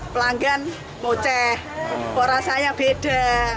pelanggan mau ceh kok rasanya beda